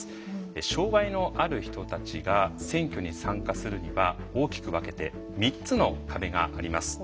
障害のある人たちが選挙に参加するには大きく分けて３つの壁があります。